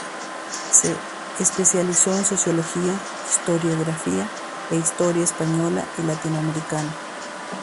Se especializó en sociología, historiografía e historia española y latinoamericana.